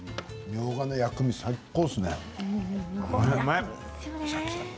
みょうがの薬味最高ですね。